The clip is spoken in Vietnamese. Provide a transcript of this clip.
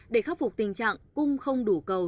để khắc phục tình trạng cung không đủ cầu